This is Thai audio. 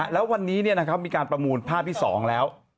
แล้ววันนี้มีการประมูลภาพที่๒แล้ว